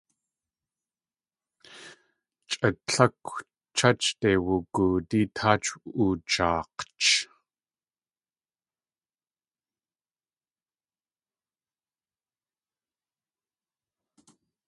Chʼa tlákw church-de wugoodí táach oojaak̲ch.